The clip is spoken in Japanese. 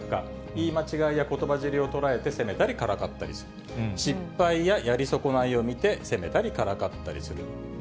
言い間違いやことばじりを捉えて責めたりからかったりする、やり損ないを見て、責めたり、からかったりする。